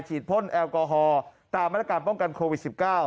พ่นแอลกอฮอล์ตามมาตรการป้องกันโควิด๑๙